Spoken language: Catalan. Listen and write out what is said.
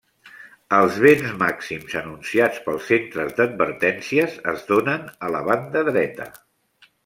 Els vents màxims anunciats pels centres d'advertències es donen a la banda dreta.